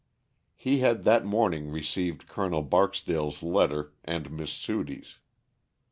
He had that morning received Col. Barksdale's letter and Miss Sudie's.